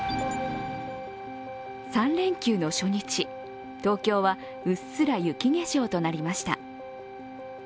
３連休の初日、東京はうっすら雪化粧となりました。